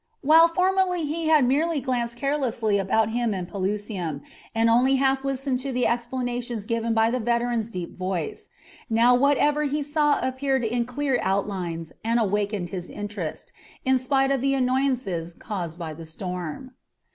While formerly he had merely glanced carelessly about him in Pelusium, and only half listened to the explanations given by the veteran's deep voice, now whatever he saw appeared in clear outlines and awakened his interest, in spite of the annoyances caused by the storm.